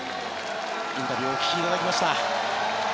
インタビューをお聞きいただきました。